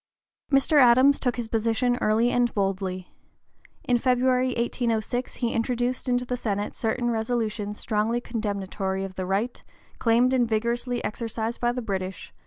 Mr. Adams took his position early and boldly. In February, 1806, he introduced into the Senate certain resolutions strongly condemnatory of the right, claimed and vigorously exercised by the British, (p.